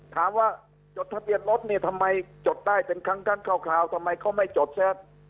ถามว่าจดทะเบียนรถเนี่ยทำไมจดได้เป็นครั้งกั้นคร่าวทำไมเขาไม่จดเซฟ